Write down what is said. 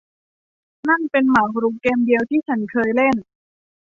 นั่นเป็นหมากรุกเกมเดียวที่ฉันเคยเล่น